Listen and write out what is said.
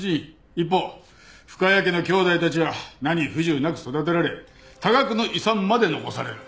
一方深谷家のきょうだいたちは何不自由なく育てられ多額の遺産まで残される。